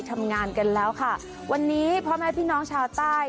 ทำงานกันแล้วค่ะวันนี้พ่อแม่พี่น้องชาวใต้